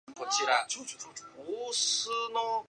その日、私を見物するために、十万人以上の人出があったということです。